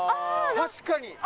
確かに。